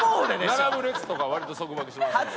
並ぶ列とか割と束縛しますけど。